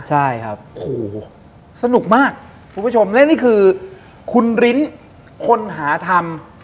โหสนุกมากผู้ชมและนี่คือคุณลิ้นคนหาธรรม